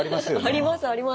ありますあります。